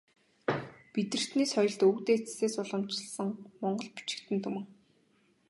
Бидэртний соёлт өвөг дээдсээс уламжилсан монгол бичигтэй түмэн.